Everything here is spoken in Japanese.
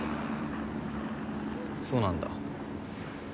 そうなんだ。